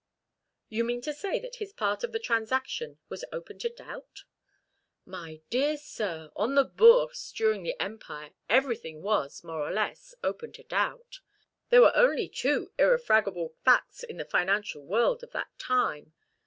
"You mean to say that his part of the transaction was open to doubt?" "My dear sir, on the Bourse, during the Empire, everything was, more or less, open to doubt. There were only two irrefragable facts in the financial world of that time.